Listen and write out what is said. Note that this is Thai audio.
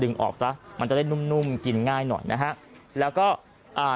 ออกซะมันจะได้นุ่มนุ่มกินง่ายหน่อยนะฮะแล้วก็อ่า